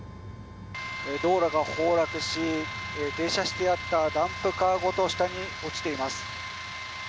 道路が崩落し停車してあったダンプカーごと下に落ちています。